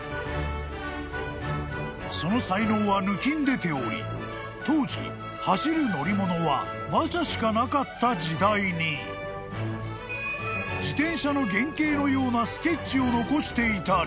［その才能は抜きんでており当時走る乗り物は馬車しかなかった時代に自転車の原型のようなスケッチを残していたり］